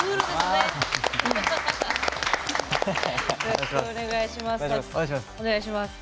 よろしくお願いします。